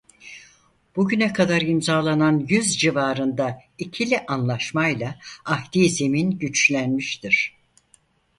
Bugüne kadar imzalanan yüz civarında ikili anlaşmayla ahdi zemin güçlenmiştir.